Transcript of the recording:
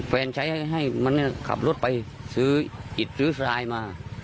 แฟนใช้ให้มันขับรถไปซื้ออิดซื้อสลายมา